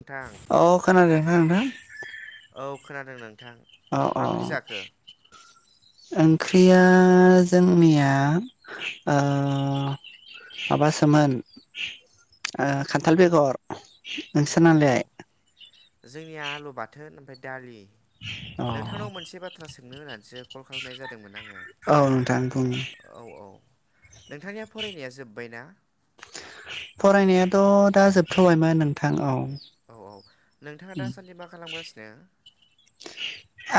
नोंथां अ खोनादों ना‌ नोंथां? औ खोनादों नोंथां औ औ मा ओंख्रि जाखो? ओंख्रिया जोंनिया ओ माबासोमोन ओ खान्थाल बेगर औ नोंसोरनालाय जोंनिया आलु बाथोन ओमफाय दालि अ नोंथांनाव मोनसे बाथ्रा सोंनो होननानैसो कल खालामनाय जादोंमोन आङो औ नोंथां बुं औ औ नोंथांनिया फरायनाया जोब्बायना? फरायनायाथ दा जोबथबायमोन नोंथां औ औ औ नोंथाङा दासान्दि मा खालामगासिनो?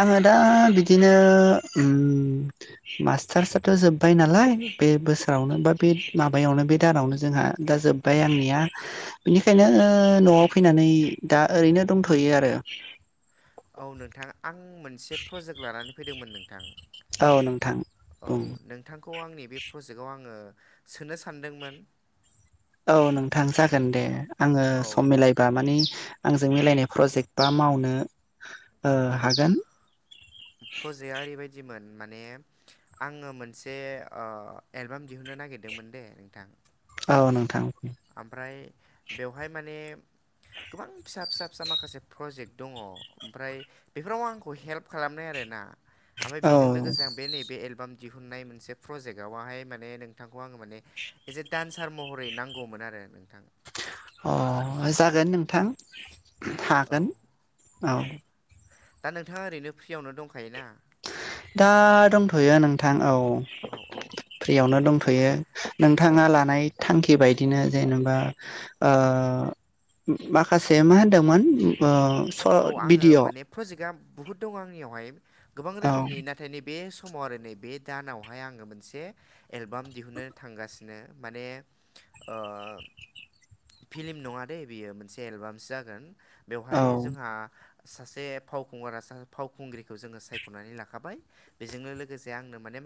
आङो दा बिदिनो‌ उम मास्टारस आथ जोब्बाय नालाय बे बोसोरावनो बा बे माबायावनो बे दानावनो जोंहा दा जोब्बाय आंनिया बेनिखायनो ओ नआव फैनानै दा ओरैनो दंथयो आरो औ नोंथां आं मोनसे प्रजेक्ट लानानै फैदोंमोन नोंथां औ नोंथां बुं खौ आंनि बे प्रजेक्ट आव आङो सोनो सानदोंमोन औ नोंथां जागोन दे आङो औ सम मिलायबा माने आंजों मिलायनाय प्रजेक्ट बा मावनो ओ औ औ हागोन प्रजेकआ ओरैबायदिमोन माने आङो मोनसे ओ एलबाम दिहुनो नागिरदोंमोन दे नोंथां औ नोंथां ओमफ्राय बेवहाय माने गोबां फिसा फिसा फिसा माखासे प्रजेक्ट दङ ओमफ्राय बेफोराव आंखौ हेल्प खालामनाय आरो ना ओमफ्राय औ बेजों लोगोसे आं बे नैबे एलबाम दिहुननाय मोनसे प्रजेक्टआवहाय माने नोंथांखौ आङो माने एसे डान्सार महरै नांगौ गौमोन आरो नोंथां अ जागोन नोंथां औ थागोन औ दा नोंथाङा ओरैनो फ्रियावनो दंखायोना? दा दंथयो नोंथां औ औ औ फ्रियावनो दंथयो माने नोंथां नोंथाङा लानाय थांखि बायदिनो जेनेबा ओ माखासे मा होनदोंमोन ओ स औ आङो भिडिअ' माने प्रजेक्टआ बुहुद दं आंनियावहाय गोबां औ रोखोमनि नाथाय नैबे बे समाव आरो नै बे दानावहाय आङो मोनसे एलबाम दिहुनो थांगासिनो माने ओ फिलिम नङा दे बियो मोनसे एलबामसो जागोन औ बेवहाय जोंहा सासे फावखुंगर फावखुंग्रिखौ जोङो सायख'नानै लाखाबाय बेजों लोगोसे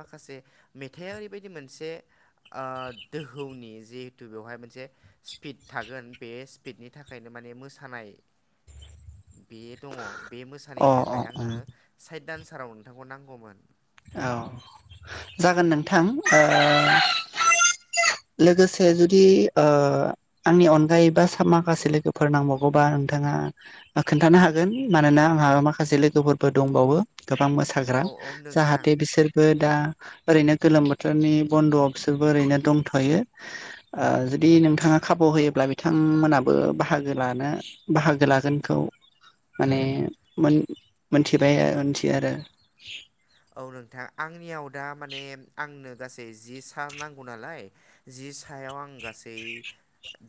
माखासे मेथाया ओरै बायदि मोनसे दोहौनि जिहेथु बेहाय मोनसे स्पिड थागोन बे स्पिडनि थाखायनो माने मोसानाय बे दङ बे अ मोसानायनि थाखाय अ आंनो साइड दान्साराव नोंथांखौ नांगौमोन औ जागोन नोंथां ओ [inaudible] लोगोसे जुदि ओ आंनि अनगायै बा माखासे लोगोफोर नांबावगौबा नोंथाङा खोन्थानो हागोन मानोना आंहा माखासे लोगोफोरबो दंबावो गोबां औ मोसाग्रा औ नोंथां जाहाथे बिसोरबो दा ओरैनो गोलोम बोथोरनि बन्द'आव बिसोरबो ओरैनो दंथ'यो जुदि नोंथाङा खाबु होयोब्ला बिथांमोनाबो बाहागो लानो बाहागो लागोनखौ माने मोनथिबाय मोनथियो आरो। औ नोंथां आंनियाव दा माने आंनो गासै जि सार नांगौ नालाय जि जि सायाव आं गासै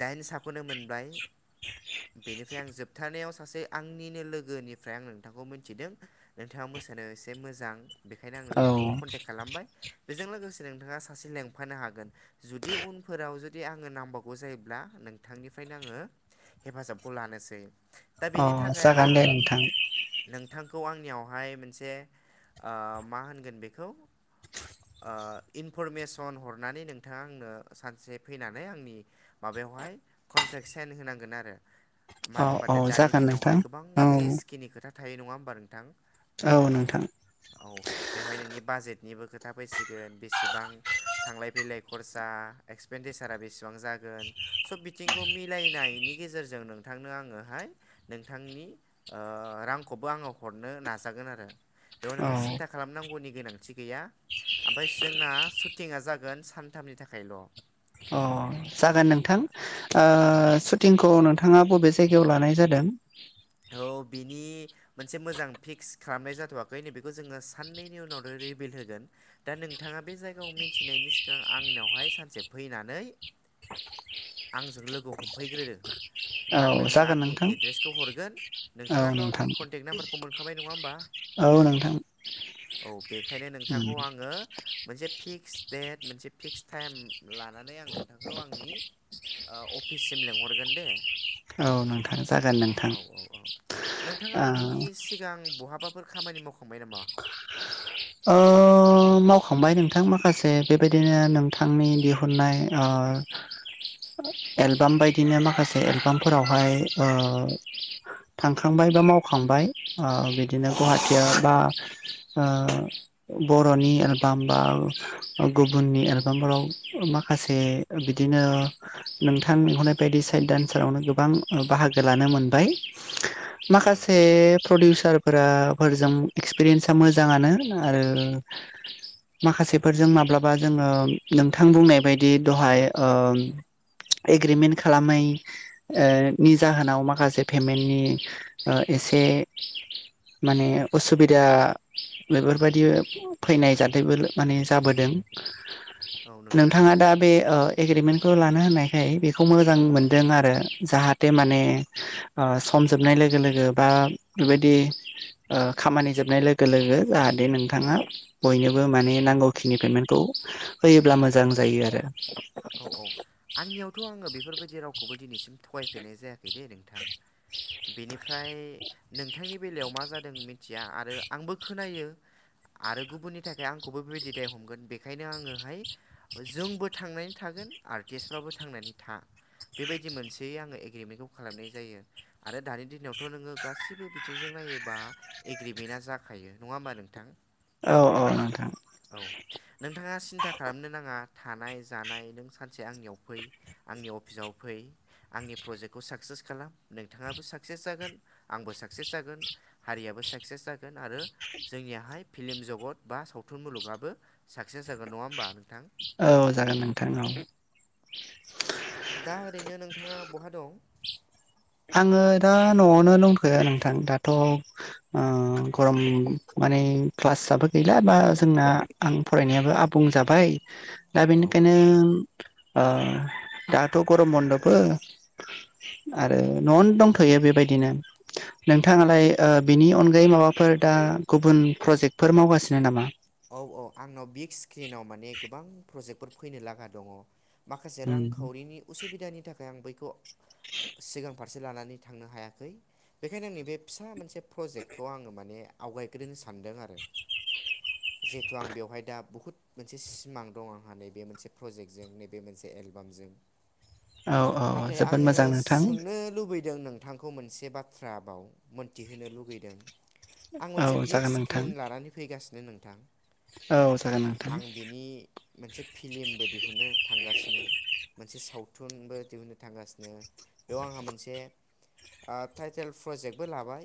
दाइन साखौनो मोनबाय बेनिफ्राय आं जोबथानायाव सासे आंनिनो लोगोनिफ्राय आं नोंथांखौ मिथिदों नोंथाङा मोसानो एसे मोजां बेखायनो आं औ नोंथांखौ कनटेक खालामबाय बेजों लोगोसे नोंथाङा सासे लेंफानो हागोन जुदि उनफोराव जुदि आङो नांबावगौ जायोब्ला नोंथांनिफ्राय बेंखायनो आङो हेफाजाबखौ लानोसै दा अ बेनि थाखाय जागोन आङो दे नोंथां नोंथांखौ आंनियावहाय मोनसे मा होनगोन बेखौ ओ इनफरमेसन हरनानै नोंथाङा आंनो सानसे फैनानै आंनि माबायावहाय कन्ट्रेक्ट साइन होनांगोन आरो औ मानो होनबा औ दा दानि जागोन नोंथां दिनावहाय गोबां औ रिस्किनि खोथा थायो नङा होमबा नोंथां औ नोंथां। औ बेवहाय नोंनि बाजेटनिबो खोथा फैसिगोन बेसेबां थांलाय फैलाय खर्स दा एक्सपेनदिसारा बेसेबां जागोन सब बिथिंखौ मिलायनायनि गेजेरजों नोंथांनो आङोहाय नोंथांनि रांखौबो आङो हरनो नाजागोन आरो। बेयाव नोंहा औ सिन्था खालामनांगौनि गोनांथि गैया ओमफ्राय जोंना सुटिंआ जागोन सानथामनि थाखायल' अ जागोन नोंथां सुटिंखौ नोंथाङा बबे जायगायाव लानाय जादों औ बिनि मोनसे मोजां फिक्स खालामनाय जाथ'वाखै नै बेखौ जोङो साननैनि उनावनो रिभिल होगोन दा। नोंथाङा बे जायगायाव मिथिनायनि सिगां आंनावहाय सानसे फैनानै आंजों लोगो हमफैग्रो औ आं नोंनो जागोन आंनि नोंथां एड्रेसखौ हरगोन औ नोंथाङाथ' आंनि नोंथां कन्टेक्ट नाम्बारखौ मोनखाबाय नङा होमबा औ नोंथां औ बेखायनो नोंथांखौ उम आङो मोनसे फिक्स देट मोनसे फिक्स टाइम लानानै आं नोंथांखौ आंनि अफिससिम लिंहरगोन दे औ नोंथां जागोन नोंथां औ औ औ नोंथाङा बेनि सिगां बहाबाफोर खामानि मावखांबाय नामा मावखांबाय नोंथां माखासे बेबायदिनो नोंथांनि दिहुननाय आ। एलबाम बायदिनो माखासे एलबामफोरावहाय थांखांबाय बा मावखांबाय बिदिनो गुवाहाटिया बा बर'नि एलबाम बा गुबुननि एलबामफोराव माखासे बिदिनो नोंथां लिंहरनाय बायदि साइड दडान्सारावनो गोबां बाहागो लानो मोनबाय औ माखासे नोंथां प्रडिउसार फोर फोरजों एक्सपिरियेन्सा मोजाङानो आरो। माखासेफोरजों माब्लाबा जोङो नोंथां बुंनाय बायदि दहाय एग्रिमेन्ट खालामनायनि जाहोनाव माखासे पेमेन्टनि से माने असुबिदा बेफोरबायदि औ नोंथां नोंथाङा दा बे एग्रिमेन्टखौ लानो होननायखाय बेखौ मोजां मोनदों आरो जाहाथे माने हमजोबनाय लोगो लोगो बा बेबायदि खामानि जोबनाय लोगो लोगो जाहाथे नोंथाङा बयनोबो माने नांगौखिनि औ औ आंनियावथ बेफोरबायदि रावखौ दिनैसिम थगायफेरनाय जायाखै दे नोंथां। बेनिफ्राय नोंथांनि बेलायाव मा जादों मिथिया आरो आंबो खोनायो आरो गुबुननि थाखाय आंखौबो बेबायदि दाय हमगोन बेखायनो आङोहाय जोंबो थांनायनि थागोन आर्टिस्टफ्राबो थांनानै था बेबायदि मोनसे आङो एग्रिमेन्टखौ खालामनाय जायो। आरो दानि दिनाव थ' नोंङो गासैबो बिथिंजों नायोबा एग्रिमेन्टआ जाखायो नङा होमबा नोंथां औ औ नोंथां नोंथाङा सिन्था खालामनो नाङा थानाय जानाय। सानसे आंनियाव फै आंनि अफिसाव फै आंनि प्रजेक्टखौ साक्सेस खालाम नोंथाङा। साकसेस जागोन आंबो साकसेस जागोन हारियाबो साकसेस जागोन आरो जोंनियाहाय फिल्म जगत बा सावथुन मुलुगाबो साक्सेस जागोन नङा होमबा नोंथां औ जागोन नोंथांनाव दा ओरैनो नोंथाङा बहा दं आङो दा न'आवनो दंथ'यो नोंथां दाथ' गरम माने क्लासआ बो गैला बा जोंना आं फरायनायाबो आबुं जाबाय। दा औ औ बेनिखायनो नोंथां दाथ' गरम मन्दपबो आरो आरो न'आवनो दंथ'यो बेबायदिनो नोंथाङालाय बिनि अनगायै माबाफोर दा गुबुन प्रजेक्टफोर मावगासिनो नामा? औ औ आंनाव बिग स्क्रिनाव माने गोबां प्रजेक्टफोर फैनो लागा दङ। माखासे रांखावरिनि उसुबिदानि थाखाय आं बैखौ सिगांफ [unintelligible] से लानानै थांनो हायाखै। बेखायनो आं नै बेे फिसा मोनसे प्रजेक्टखौ आङो माने आवगायग्रोनो सानदों आरो [inaudible] जिहेतु आं बेवहाय दा बुहुत मोनसे सिमां दं आंहा नैबे मोनसे प्रजेक्टजों नैबे मोनसे एलबामजों। औ औ नाथाय जोबोद आङो मोजां नोंथां सोंनो लुबैदों नों नोंथांखौ मोनसे बाथ्र बाव मोनथिहोनो लुगैदों आं औ मोनसे बिग जागोन नोंथां स्क्रिन लानानै फैगासिनो नोंथां औ जागोन नोंथां आं बेनि मोनसे फिलिमबो दिहुनो थांगासिनो मोनसे सावथुन थुनबो दिहुननो थांगासिनो बेयाव आंहा मोनसे टाइटेल प्रजेक्टबो लाबाय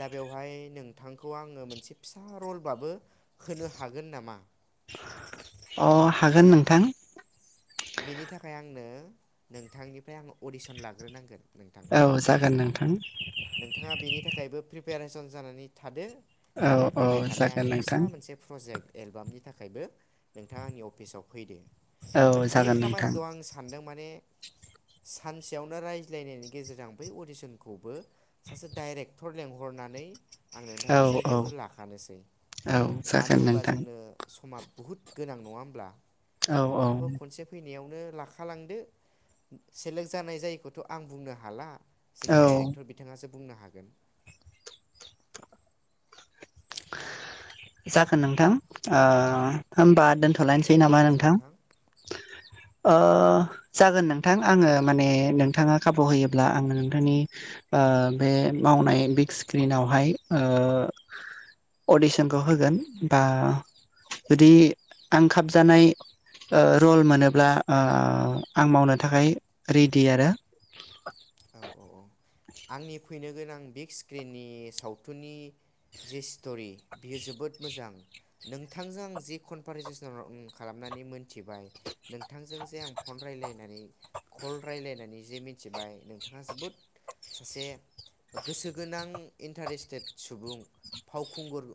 दा बेवहाय नोंथांखौ आङो मोनसे फिसा रलबाबो होनो हागोन नामा अ हागोन नोंथां बेनि थाखाय आंनो नोंथांनिफ्राय आङो अडिसन लाग्रोनांगोन नोंथां औ जागोन नोंथां नोंथाङा बेनि थाखायबो प्रिपेरेसन जानानै थादो औ आरो औ फैबाय थानाय जागोन आंनि फिसा नोंथां मोनसे प्रजेक्ट एलबामनि थाखायबो नोंथां आंनि अफिसाव फैदो औ ओमफ्राय बे जागोन नोंथां खामानिखौ आं सानदोंमोन माने सानसेयावनो रायज्लायनायनि गेजेरजों बै अडिसनखौबो सासे डाइरेक्टर लिंहर होननानै आं औ नोंथांखौ औ जायगायावनो लाखानोसै औ मानो जागोन होनबा नोंथां जोंनो समा बहुद गोनां नङा होमब्ला औ औ नोंथाङाबो खनसे फैनायावनो लाखालांदो सेलेक जानाय जायैखौथ' आं बुंनो हाला जोंनि औ डाइरेक्टर बिथाङासो बुंनो हागोन जागोन नोंथां ओ होमबा दोनथ' खालामायनोसै मा नामा होनो नोंथां ओ जागोन नोंथां आङो माने नोंथाङा खाबु होयोब्ला आङो नोंथांनि ओ बे मावनाय बिग स्क्रिनावहाय ओ [inaudible] अडिसनखौ होगोन बा जुदि आं खाब जानाय ओ रल मोनोब्ला ओ आं मावनो थाखाय रेडि आरो। औ औ औ आंनि फैनो गोनां बिग स्क्रिननि सावथुननि जि स्ट'रि बियो जोबोद मोजां नोंथांजों आं जि कनभारजेसन खालामनानै मोनथिबाय नोंथांजों जे आं फन रायजलायनानै कल रायजलायनानै जे मिथिबाय नों बिथाङा जोबोद सासे गोसो गोनां इन्टारेस्टेट सुबुं फावखुंगुर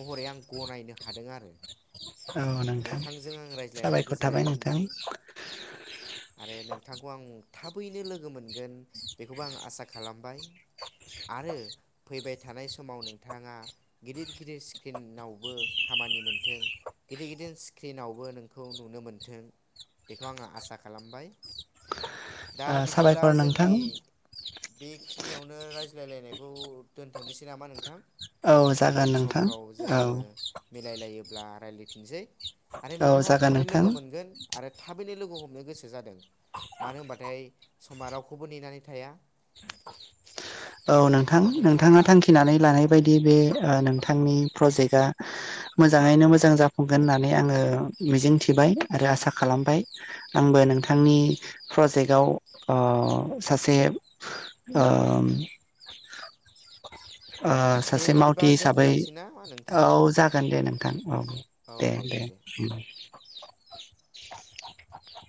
महरै आं गनायनो हादों आरो ‌ औ नोंथां साबायखर गोजोननाय थाबाय नोंथां। मोनबाय आरो नोंथांखौ आं थाबैनो लोगो मोनगो न बेखौबो आं आसा खालामबाय। आरो फैबाय थानाय समाव नोंथाङा गिदिर गिदिर स्क्रिनावबो खामा खामानि मोन्थों गिदिर गिदिर स्क्रिनावबो नोंखौ नुनो मोनथों। बेखौ आङो आसा खालामबाय दा ओ बिदिब्ला साबायखर नोंथां जोंनि बेखिनियावनो रायज्लायलायनायखौ दोनथ'नोसै नामा नोंथां? औ उन जागोन नोंथां औ। अब्ला रायज्लायफिनसै आरो औ नोंथांखौ आं जागोन थाबै नोंथां लोगो मोनगोन ‌ आरो थाबैनो लोगो हमनो गोसो जादों मानो होनबाथाय समा रावखौ खौबो नेनानै थाया। औ नोंथां नोंथाङा थांखिनानै लानाय बायदि बे नोंथांनि प्रजेक्टआ मोजाङैनो मोजां जाफुंगोन होननानै आङो मिजिं थिबाय। बाइ आरो आसा खालामबाय आंबो नोंथांनि प्रजेक्टआव ओ सास से ओ ओ दे सासे बिदिबा मावथि हिसाबै दोनथ'लायनोसै ना मा नोंथां औ जागोन दे नों औ दे दे।